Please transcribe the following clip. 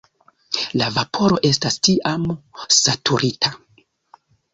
La vaporo estas tiam "saturita".